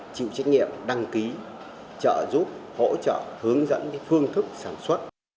chịu trách nhiệm đăng ký trợ giúp hỗ trợ hướng dẫn phương thức sản xuất